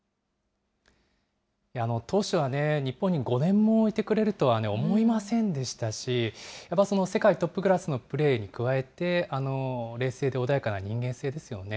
当初はね、日本に５年もいてくれるとは思いませんでしたし、世界トップクラスのプレーに加えて、冷静で穏やかな人間性ですよね。